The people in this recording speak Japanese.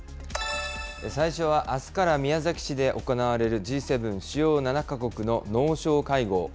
最初はあすから宮崎市で行われるＧ７・主要７か国の農相会合。